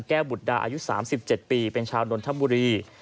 แก้วบุตรดาอายุสามสิบเจ็ดปีเป็นชาวนนทบุรี